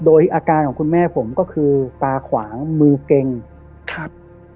โดยอาการของคุณแม่ผมก็คือตาขวางมือเก่งครับ